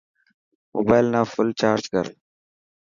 موبال نا ڦل چارج ڪر.